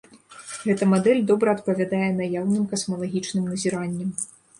Гэта мадэль добра адпавядае наяўным касмалагічным назіранням.